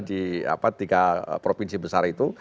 di tiga provinsi besar itu